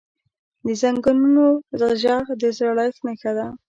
د زنګونونو ږغ د زړښت نښه ده.